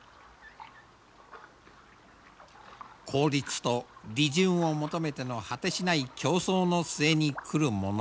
効率と利潤を求めての果てしない競争の末に来るもの。